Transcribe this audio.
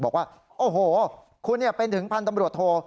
บอกว่าโอ้โหคุณเป็นถึงพันธ์ตำรวจโท